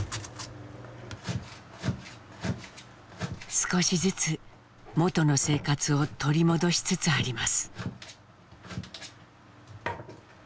少しずつ元の生活を取り戻しつつあります。